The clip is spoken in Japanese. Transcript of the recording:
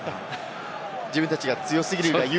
自分たちが強すぎるがゆ